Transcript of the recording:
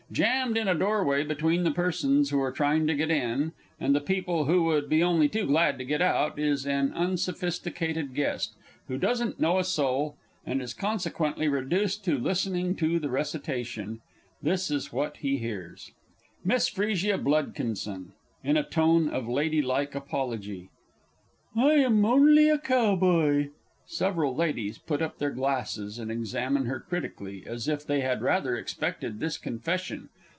_ _Jammed in a doorway, between the persons who are trying to get in, and the people who would be only too glad to get out, is an_ UNSOPHISTICATED GUEST who doesn't know a soul, and is consequently reduced to listening to the Recitation. This is what he hears: MISS FRESIA BLUD. (in a tone of lady like apology). I am only a Cowboy [_Several Ladies put up their glasses, and examine her critically, as if they had rather expected this confession.